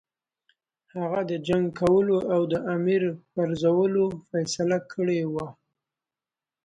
هغه د جنګ کولو او د امیر پرزولو فیصله کړې وه.